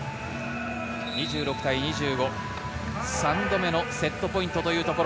２６対２５、３度目のセットポイントというところ。